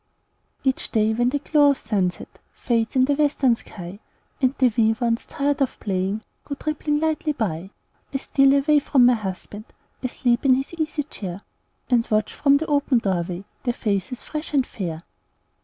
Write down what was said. Each day, when the glow of sunset Fades in the western sky, And the wee ones, tired of playing, Go tripping lightly by, I steal away from my husband, Asleep in his easy chair, And watch from the open door way Their faces fresh and fair.